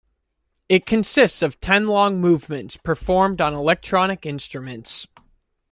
It consists of ten long movements performed on electronic instruments.